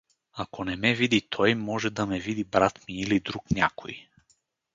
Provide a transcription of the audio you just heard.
Ако не ме види той, може да ме види брат ми или друг някой.